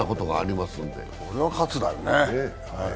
これは喝だよね。